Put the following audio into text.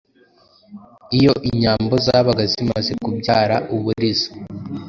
Iyo inyambo zabaga zimaze kubyara uburiza;